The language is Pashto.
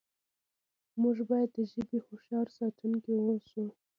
موږ باید د ژبې هوښیار ساتونکي اوسو.